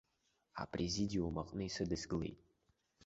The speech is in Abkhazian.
Апрезидиум аҟны исыдыскылеит.